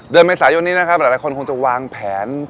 เดือนเมษายนนี้นะครับหลายคนคงจะวางแผน